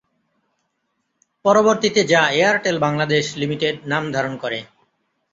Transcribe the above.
পরবর্তীতে যা Airtel Bangladesh limited নাম ধারণ করে।